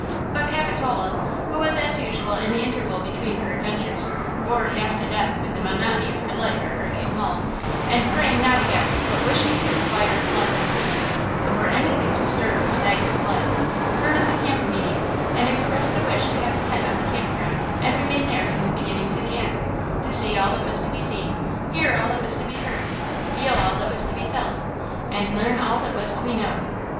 But Capitola, who was as usual in the interval between her adventures, bored half to death with the monotony of her life at Hurricane Hall–and praying not against but wishing for–fire, floods or thieves, or anything to stir her stagnant blood, heard of the camp meeting, and expressed a wish to have a tent on the camp ground and remain there from the beginning to the end, to see all that was to be seen; hear all that was to be heard; feel all that was to be felt, and learn all that was to be known!